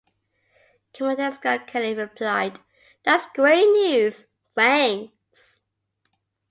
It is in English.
Commander Scott Kelly replied, "That's great news, thanks".